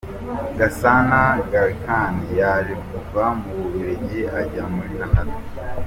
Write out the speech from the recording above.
Gasana Gallican yaje kuva mu Bubiligi ajya muri Canada